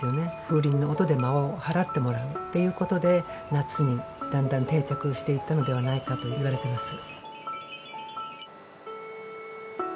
風鈴の音で魔をはらってもらうということで夏にだんだん定着していったのではないかといわれてます